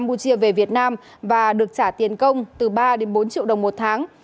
hạnh từ campuchia về việt nam và được trả tiền công từ ba bốn triệu đồng một tháng